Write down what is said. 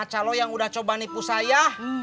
calon yang udah coba nipu saya